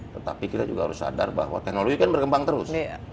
tetapi kita juga harus sadar bahwa teknologi kan berkembang terus